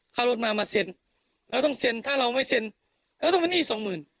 รถมามาเซ็นเราต้องเซ็นถ้าเราไม่เซ็นเราต้องเป็นหนี้สองหมื่น